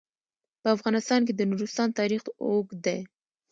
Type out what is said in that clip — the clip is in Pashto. په افغانستان کې د نورستان تاریخ اوږد دی.